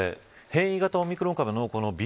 変異型オミクロン株のＢＡ．